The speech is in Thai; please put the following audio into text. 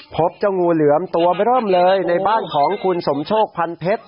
พบเจ้างูเหลือมตัวเริ่มเลยในบ้านของคุณสมโชคพันเพชร